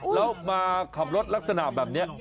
แล้วมาขับรถลักษณะแบบนี้